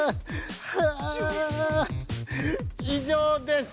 以上です。